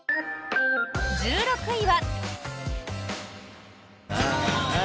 １６位は。